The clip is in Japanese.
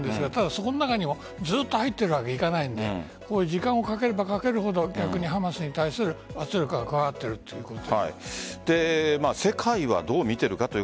その中にもずっと入っているわけにはいかないので時間をかければかけるほど逆にハマスに対する圧力が加わっているということ。